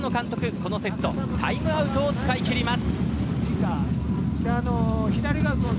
このセットタイムアウトを使い切ります。